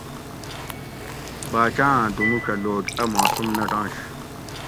باچاۤ آں دوموڄہ لوک اَ معصوم نٹںش